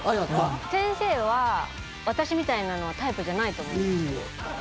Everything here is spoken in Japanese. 先生は私みたいなのはタイプじゃないと思います。